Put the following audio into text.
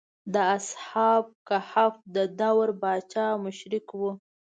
د اصحاب کهف د دور پاچا مشرک و.